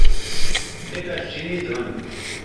پھیکش چینی دُھن